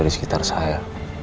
di sekitar saya